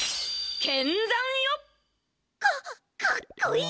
かっこいい！